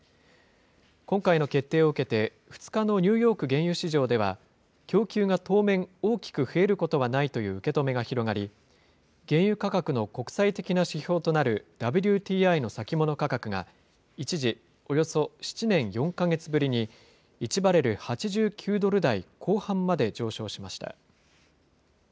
今回の決定を受けて、２日のニューヨーク原油市場では、供給が当面、大きく増えることはないという受け止めが広がり、原油価格の国際的な指標となるＷＴＩの先物価格が一時、およそ７年４か月ぶりに、１バレル８９ドル台後半まで上昇しました。